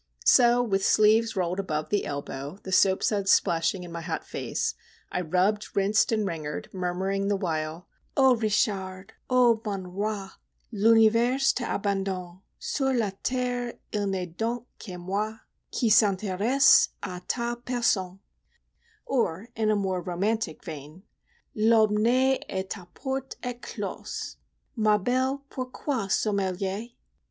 So, with sleeves rolled above the elbow, the soap suds splashing in my hot face, I rubbed, rinsed, and wringered, murmuring the while:— O Richard! ô mon roi! L'univers t'abandonne; Sur la terre il n'est donc que moi Qui s'intéresse à ta personne! or in more romantic vein,— L'aube nait et ta porte est close! Ma belle, pourquoi sommeiller?